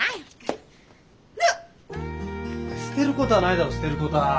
捨てることはないだろ捨てることは。